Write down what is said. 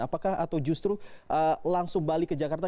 apakah atau justru langsung balik ke jakarta